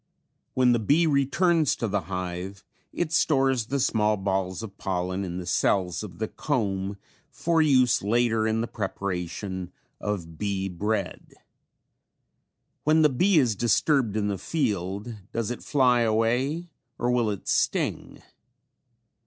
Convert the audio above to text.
When the bee returns to the hive, it stores the small balls of pollen in the cells of the comb for use later in the preparation of bee bread. When the bee is disturbed in the field does it fly away or will it sting?